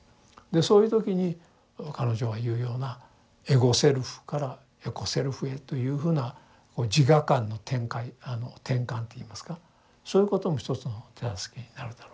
そういう時に彼女が言うようなエゴ・セルフからエコ・セルフへというふうな自我観の展開転換といいますかそういうことも一つの手助けになるだろうし。